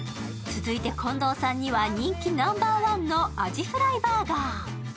続いて近藤さんには人気ナンバーワンのアジフライバーガー。